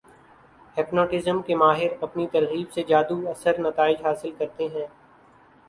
hypnotism کے ماہر اپنی ترغیب سے جادو اثر نتائج حاصل کرتے ہیں